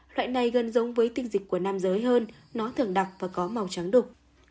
loại này gần giống với tinh dịch của nam giới hơn nó thường đặc và có màu trắng đục